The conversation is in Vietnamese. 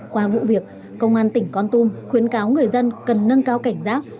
qua vụ việc công an tỉnh con tum khuyến cáo người dân cần nâng cao cảnh giác